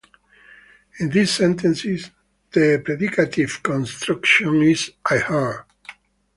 In this sentence, the predicative construction is "I heard".